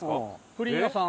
プリン屋さん。